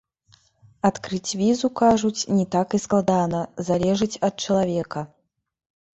Адкрыць візу, кажуць, не так і складана, залежыць ад чалавека.